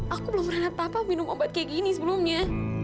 aku belum pernah dapat minum obat kayak gini sebelumnya